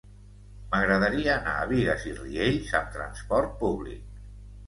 M'agradaria anar a Bigues i Riells amb trasport públic.